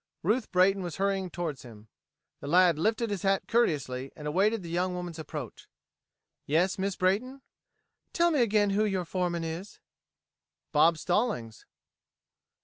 Ruth Brayton was hurrying toward him. The lad lifted his hat courteously and awaited the young woman's approach. "Yes, Miss Brayton." "Tell me again who your foreman is." "Bob Stallings."